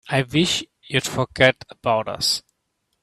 I wish you'd forget about us.